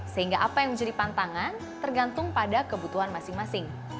sehingga apa yang menjadi pantangan tergantung pada kebutuhan masing masing